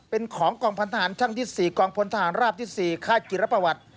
เป็นของกล่องพันธหารชั่งที่สี่กล่องพลทหารราบที่สี่ค่ายกิรปวัตร